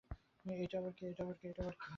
এইটা আবার কি?